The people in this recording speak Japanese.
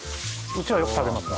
うちはよく食べますね。